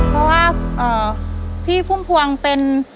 เพราะว่าพี่พุ่มพวงเป็น